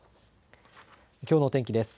きょうの天気です。